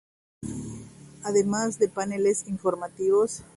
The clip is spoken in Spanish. Además de paneles informativos.